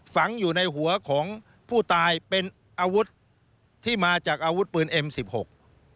ฝังอยู่ในหัวของผู้ตายเป็นอาวุธที่มาจากอาวุธปืนเอ็มสิบหก